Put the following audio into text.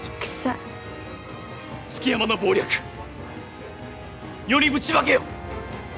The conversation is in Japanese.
築山の謀略世にぶちまけよ！